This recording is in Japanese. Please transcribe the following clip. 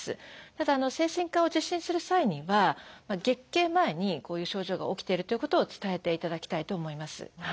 ただ精神科を受診する際には月経前にこういう症状が起きてるということを伝えていただきたいと思います。